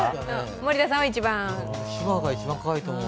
森田さんは一番？